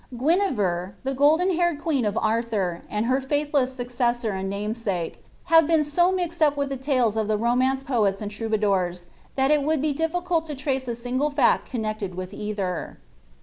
Guiniver, the golden haired queen of Arthur, and her faithless suc cessor and namesake, have been so mixed up with the tales of the romance poets and troubadours, that it would be difficult to trace a single fact connected with either.